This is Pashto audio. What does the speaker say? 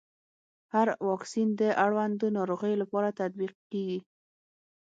هر واکسین د اړوندو ناروغيو لپاره تطبیق کېږي.